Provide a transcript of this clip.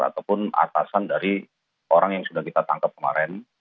ataupun atasan dari orang yang sudah kita tangkap kemarin